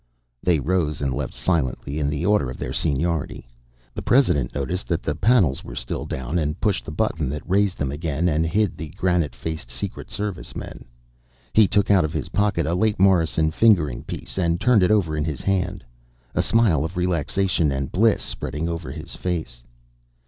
They rose and left silently in the order of their seniority. The President noticed that the panels were still down and pushed the button that raised them again and hid the granite faced Secret Servicemen. He took out of his pocket a late Morrison fingering piece and turned it over in his hand, a smile of relaxation and bliss spreading over his face.